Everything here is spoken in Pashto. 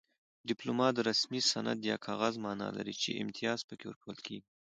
ډیپلوما د رسمي سند یا کاغذ مانا لري چې امتیاز پکې ورکول کیږي